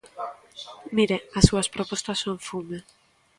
Mire, as súas propostas son fume.